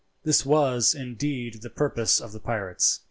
This was, indeed, the purpose of the pirates.